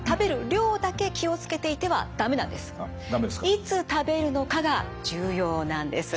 いつ食べるのかが重要なんです。